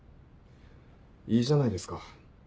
いいじゃないですか。